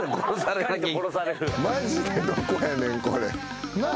マジでどこやねんこれ。何？